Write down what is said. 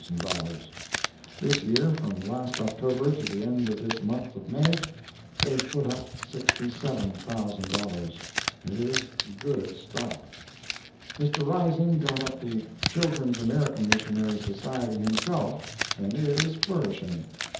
This year, from last October to the end of this month of May, they foot up $67,000. It is good stock. Mr. Rising got up the Children's American Missionary Society himself, and it is flourishing.